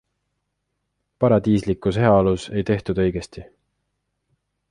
Paradiislikus heaolus ei tehtud õigesti.